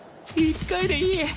１回でいい！